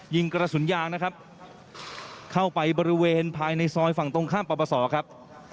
ยิงกระสุนยางนะครับเข้าไปบริเวณภายในซอยฝั่งตรงข้ามปรปศครับ